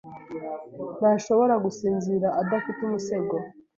ntashobora gusinzira adafite umusego.